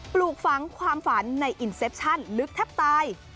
ปลูกฝังความฝันในอินเซปชั่นลึกแทบตาย